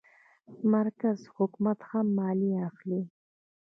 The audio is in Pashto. مرکزي حکومت هم مالیه اخلي.